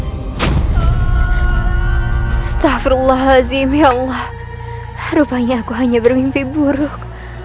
astagfirullahaladzim ya allah rupanya aku hanya bermimpi buruk